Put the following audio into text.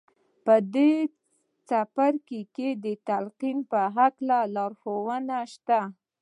په دې څپرکو کې د تلقین په هکله لارښوونې شته